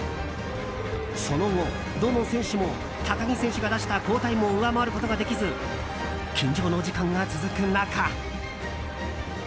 その後、どの選手も高木選手が出した好タイムを上回ることができず緊張の時間が続く中。